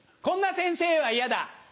こんな先生は嫌だ。